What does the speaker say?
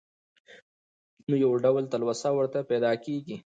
نو يو ډول تلوسه ورته پېدا کيږي.